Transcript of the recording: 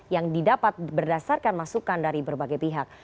yang didapat berdasarkan masukan dari berbagai pihak